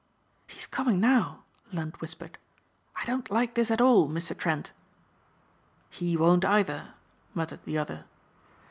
"He's coming now," Lund whispered. "I don't like this at all, Mr. Trent." "He won't either," muttered the other.